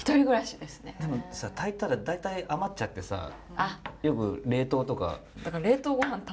でもさ炊いたら大体余っちゃってさよく冷凍とか。